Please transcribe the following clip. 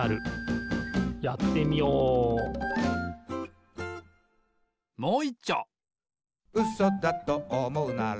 やってみようもういっちょ！